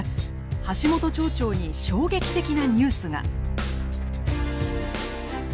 橋本町長に衝撃的なニュースが。